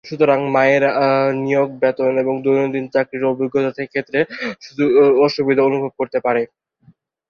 সুতরাং, মায়েরা নিয়োগ, বেতন এবং দৈনন্দিন চাকরির অভিজ্ঞতার ক্ষেত্রে অসুবিধা অনুভব করতে পারে।